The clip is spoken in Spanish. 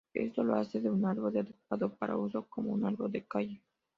Esto lo hace un árbol adecuado para uso como un árbol de la calle.